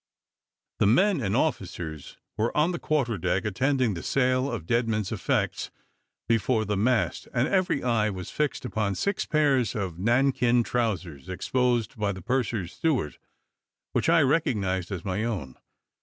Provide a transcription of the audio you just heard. The men and officers were on the quarter deck, attending the sale of dead men's effects before the mast, and every eye was fixed upon six pairs of nankeen trowsers exposed by the purser's steward, which I recognised as my own.